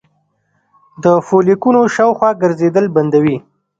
د فولیکونو شاوخوا ګرځیدل بندوي